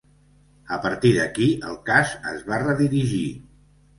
A partir d’aquí, el cas es va redirigir.